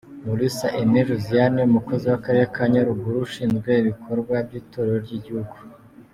Umulisa Aimée Josiane umukozi w’Akarere ka Nyaruguru ushinzwe ibikorwa by’itorero ry’Igihugu.